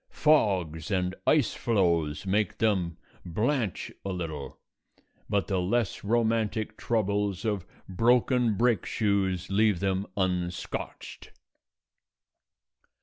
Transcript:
Fogs and ice floes make them blench a little; but the less romantic troubles of broken brake shoes leave them unscotched.